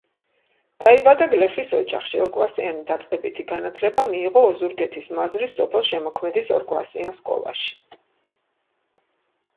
დაიბადა გლეხის ოჯახში, ორკლასიანი დაწყებითი განათლება მიიღო ოზურგეთის მაზრის სოფელ შემოქმედის ორკლასიან სკოლაში.